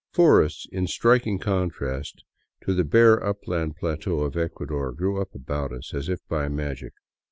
Forests in striking contrast to the bare upland plateau of Ecuador grew up about us as if by magic.